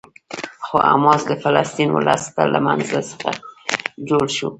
خو حماس د فلسطیني ولس له منځ څخه جوړ شو.